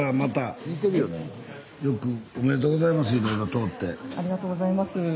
ありがとうございます。